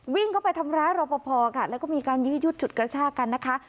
วิ่งเข้าไปทำร้ายรอปภค่ะแล้วก็มีการยื้อยุดฉุดกระชากันนะคะ